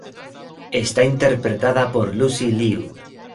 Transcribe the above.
Está interpretada por Lucy Liu.